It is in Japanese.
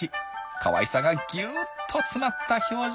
かわいさがギュッと詰まった表情。